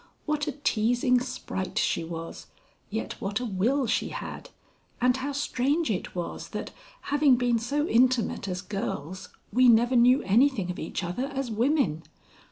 What a teasing sprite she was, yet what a will she had, and how strange it was that, having been so intimate as girls, we never knew anything of each other as women!